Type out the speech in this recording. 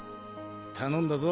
頼んだぞ。